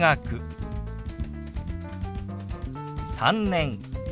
「３年」。